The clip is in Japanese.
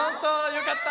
よかった！